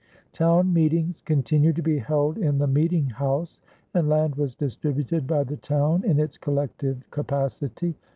Town meetings continued to be held in the meeting house, and land was distributed by the town in its collective capacity.